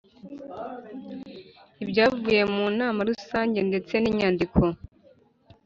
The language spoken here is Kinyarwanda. Ibyavuye mu nama rusange ndetse n inyandiko